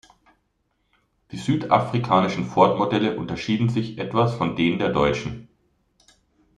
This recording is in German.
Die südafrikanischen Ford-Modelle unterschieden sich etwas von denen der deutschen.